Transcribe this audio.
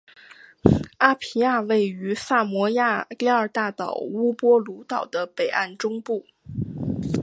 阿皮亚位于萨摩亚第二大岛乌波卢岛的北岸中部。